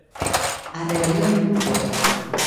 A rebelión dun pobo.